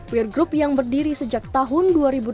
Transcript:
weir group yang berdiri sejak tahun dua ribu delapan